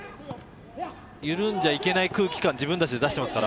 緩んじゃいけない空気感を自分たちで出していますから。